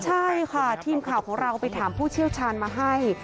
ใช่ค่ะทีมข่าวของเราไปถามผู้เชี่ยวชาญมาให้